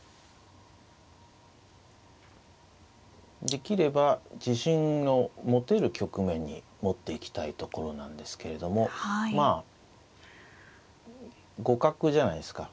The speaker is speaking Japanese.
できれば自信の持てる局面に持っていきたいところなんですけれどもまあ互角じゃないですか。